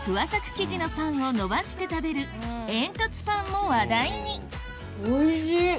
生地のパンを伸ばして食べる煙突パンも話題においしい！